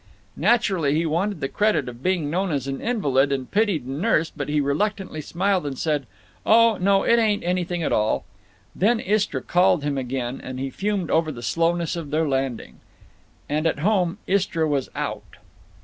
Naturally, he wanted the credit of being known as an invalid, and pitied and nursed, but he reluctantly smiled and said, "Oh no, it ain't anything at all." Then Istra called him again, and he fumed over the slowness of their landing. And, at home, Istra was out.